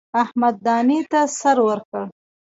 احمد دانې ته سر ورکړ.